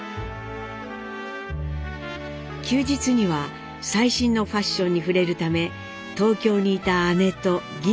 休日には最新のファッションに触れるため東京にいた姉と銀座の洋服店を巡ります。